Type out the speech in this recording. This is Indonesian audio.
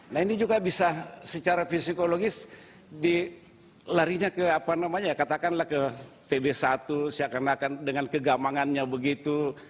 nah ini juga bisa secara fisikologis dilarinya ke katakanlah ke tb satu dengan kegamangannya begitu